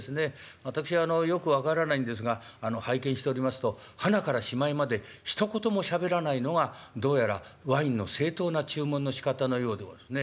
私はよく分からないんですが拝見しておりますとはなからしまいまでひと言もしゃべらないのがどうやらワインの正当な注文のしかたのようでございますね。